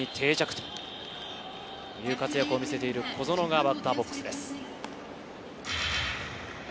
という活躍を見せている小園がバッターボックスです。